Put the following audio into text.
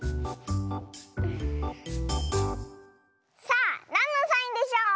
さあなんのサインでしょう？